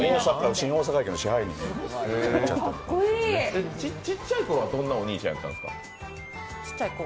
小さいころはどんなお兄ちゃんやったんですか？